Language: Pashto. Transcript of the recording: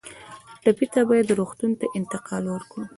ټپي ته باید روغتون ته انتقال ورکړو.